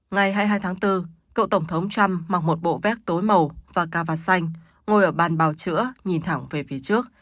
ngày hai mươi hai tháng bốn cậu tổng thống trump mặc một bộ vét tối màu và ca vạt xanh ngồi ở bàn bào chữa nhìn thẳng về phía trước